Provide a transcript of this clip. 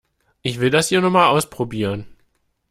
Ich will das hier nur mal ausprobieren.